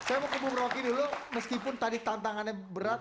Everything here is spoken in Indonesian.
saya mau ke bung roky dulu meskipun tadi tantangannya berat